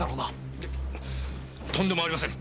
いえとんでもありません。